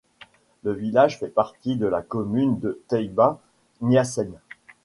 Le village fait partie de la commune de Taïba Niassène.